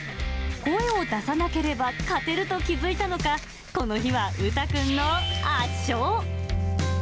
声を出さなければ勝てると気付いたのか、この日はウタくんの圧勝。